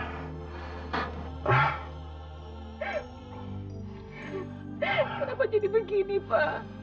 kenapa jadi begini pa